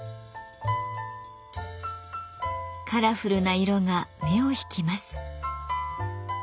カラフルな色が目を引きます。